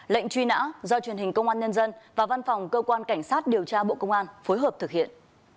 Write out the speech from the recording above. lệnh truy nã do truyền hình công an nhân dân và văn phòng cơ quan cảnh sát điều tra bộ công an phối hợp thực hiện